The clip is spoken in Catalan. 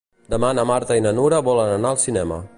Demà na Marta i na Nura volen anar al cinema.